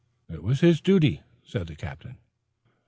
"It was his duty," said the captain.